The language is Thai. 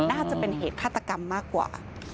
น่าจะเป็นเหตุฆาตกรรมมากกว่า